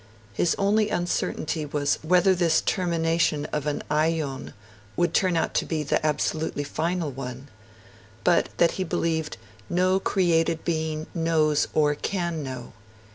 His only uncertainty was whether this termination of an [Greek: aion] would turn out to be the absolutely final one; but that he believed 'no created being knows or can know'.